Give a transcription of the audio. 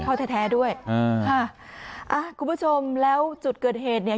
พ่อแท้ด้วยอ่าคุณผู้ชมแล้วจุดเกิดเหตุเนี้ย